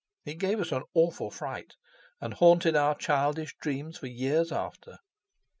It gave us an awful fright, and haunted our childish dreams for years after.